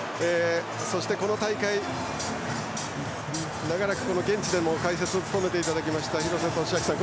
そして、この大会長らく現地でも解説を務めていただきましたが廣瀬俊朗さん。